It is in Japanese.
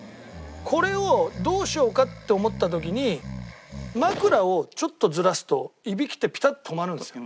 これをどうしようかって思った時に枕をちょっとずらすとイビキってピタッと止まるんですよ。